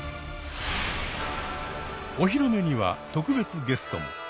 お披露目には特別ゲストも！